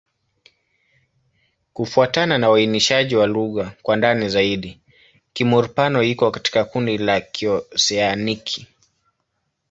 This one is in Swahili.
Kufuatana na uainishaji wa lugha kwa ndani zaidi, Kimur-Pano iko katika kundi la Kioseaniki.